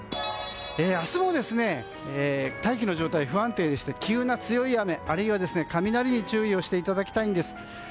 明日も大気の状態不安定でして急な強い雨、あるいは雷に注意をしていただきたいです。